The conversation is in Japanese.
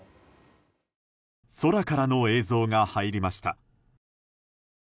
空からの映像が入りました。